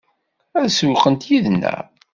Ad sewwqent yid-neɣ?